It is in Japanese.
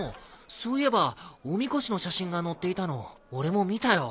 そういえばおみこしの写真が載っていたの俺も見たよ。